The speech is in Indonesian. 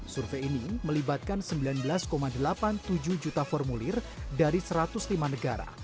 survei ini melibatkan sembilan belas delapan puluh tujuh juta formulir dari satu ratus lima negara